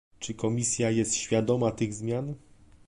Czy Komisja jest świadoma tych zmian?